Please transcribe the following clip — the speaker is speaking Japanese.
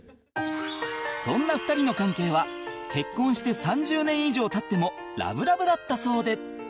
そんな２人の関係は結婚して３０年以上経ってもラブラブだったそうで